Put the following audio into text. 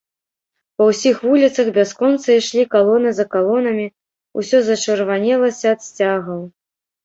Па ўсіх вуліцах бясконца ішлі калоны за калонамі, усё зачырванелася ад сцягаў.